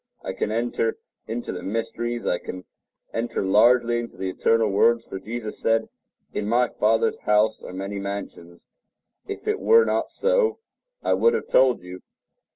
I can enter into the mysteries; I can enter largely into the eternal worlds; for Jesus said, "In my Father's house are many mansions; if it were not so, I would have told you.